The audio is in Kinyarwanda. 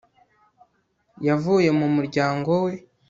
yavuye mu muryango we